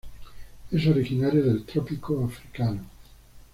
Es originario del trópico africano.